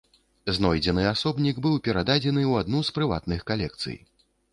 Знойдзены асобнік быў прададзены ў адну з прыватных калекцый.